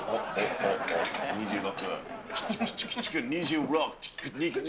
２６？